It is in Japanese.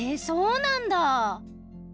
そうなんだ！